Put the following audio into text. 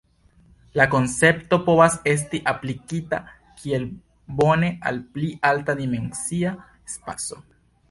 La koncepto povas esti aplikita kiel bone al pli alta-dimensia spaco.